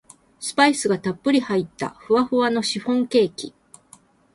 スパイスがたっぷり入ったふわふわのシフォンケーキ